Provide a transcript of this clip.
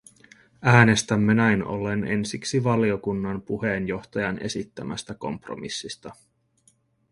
Äänestämme näin ollen ensiksi valiokunnan puheenjohtajan esittämästä kompromissista.